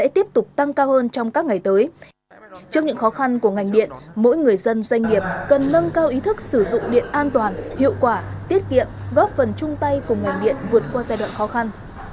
trước những khó khăn của ngành điện mỗi người dân doanh nghiệp cần nâng cao ý thức sử dụng điện an toàn hiệu quả tiết kiệm góp phần chung tay cùng ngành điện vượt qua giai đoạn khó khăn